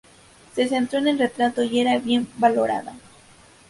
Se centró en el retrato y era bien valorada.